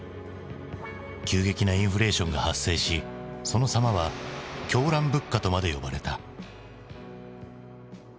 急激なインフレーションが発生しその様は狂乱物価とまで呼ばれた。